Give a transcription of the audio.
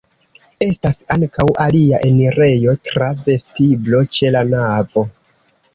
Estas ankaŭ alia enirejo tra vestiblo ĉe la navo.